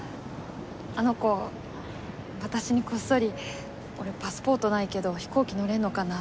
あの子私にこっそり「俺パスポートないけど飛行機乗れるのかな？」